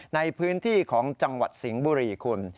ในพื้นที่ของจังหวัดสิงห์บุรีคุณ